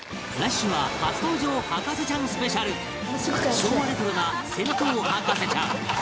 昭和レトロな銭湯博士ちゃん